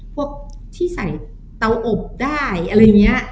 พวกที่ใส่เตาอบได้อะไรอย่างนี้